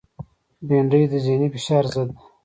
بېنډۍ د ذهنی فشار ضد ده